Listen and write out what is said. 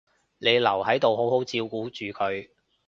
你留喺度好好照顧住佢